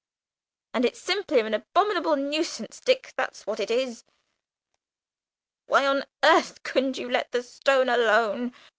And it's simply an abominable nuisance, Dick, that's what it is! Why on earth couldn't you let the stone alone?